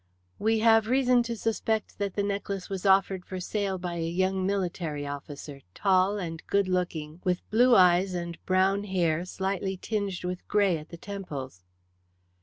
"We have reason to suspect that the necklace was offered for sale by a young military officer, tall and good looking, with blue eyes and brown hair, slightly tinged with grey at the temples."